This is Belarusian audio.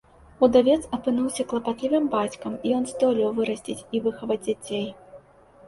Удавец апынуўся клапатлівым бацькам, ён здолеў вырасціць і выхаваць дзяцей.